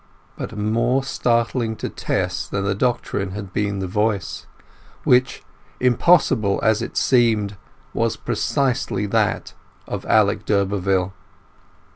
But more startling to Tess than the doctrine had been the voice, which, impossible as it seemed, was precisely that of Alec d'Urberville.